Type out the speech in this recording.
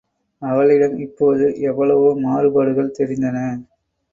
அவளிடம் இப்போது எவ்வளவோ மாறுபாடுகள் தெரிந்தன.